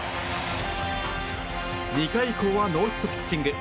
２回以降はノーヒットピッチング。